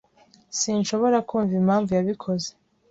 Sinshobora kumva impamvu yabikoze.